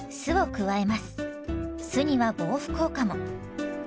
酢には防腐効果も。